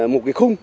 một cái khung